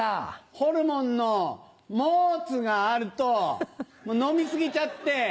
ホルモンのモツがあると飲み過ぎちゃって。